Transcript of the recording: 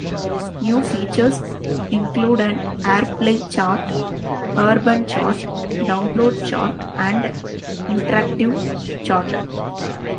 New features include an Airplay Chart, Urban Chart, Download Chart and Interactive Chart.